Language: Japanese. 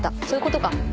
そういうことか。